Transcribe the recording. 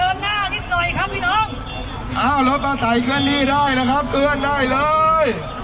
โอเคครับจอดนับจอดรถจอดนับ